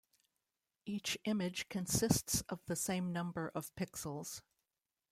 Each image consists of the same number of pixels.